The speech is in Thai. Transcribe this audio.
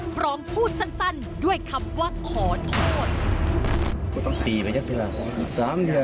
พร้อมพูดสั้นสั้นด้วยคำว่าขอโทษ